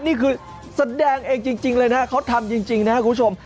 นี่คือแสดงเองจริงเลยนะเขาทำจริงนะครับคุณผู้ชม